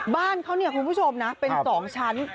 บ้านเขาเนี่ยคุณผู้ชมนะเป็น๒ชั้น